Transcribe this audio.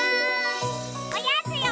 おやつよ！